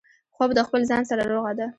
خوب د خپل ځان سره روغه ده